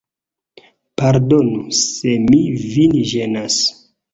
Pardonu se mi vin ĝenas.